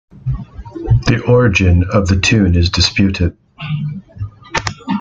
The origin of the tune is disputed.